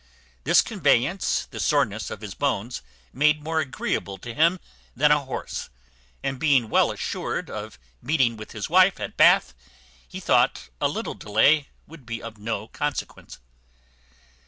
This conveyance the soreness of his bones made more agreeable to him than a horse; and, being well assured of meeting with his wife at Bath, he thought a little delay would be of no consequence.